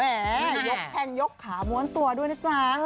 ยกแทงยกขาม้วนตัวด้วยนะจ๊ะ